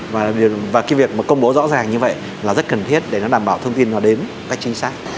và cái việc mà công bố rõ ràng như vậy là rất cần thiết để nó đảm bảo thông tin nó đến cách chính xác